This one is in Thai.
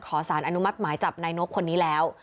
สารอนุมัติหมายจับนายนกคนนี้แล้ว